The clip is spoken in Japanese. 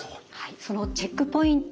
そのチェックポイント